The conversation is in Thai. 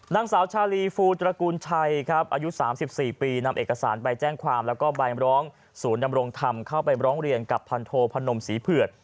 นางสาวชาลีฟูตระกูลชัยครับอายุ๓๔ปีนำเอกสารใบแจ้งความแล้วก็ใบร้องศูนย์ดำรงธรรมเข้าไปร้องเรียนกับพันโทพนมศรีเผือด